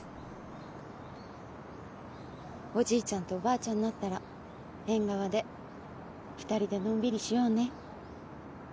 おじいちゃんとおばあちゃんになったら縁側で２人でのんびりしようね。